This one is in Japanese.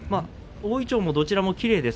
大いちょうも、どちらもきれいです。